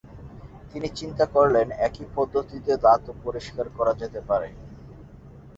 তিনি চিন্তা করলেন একই পদ্ধতিতে দাঁতও পরিষ্কার করা যেতে পারে।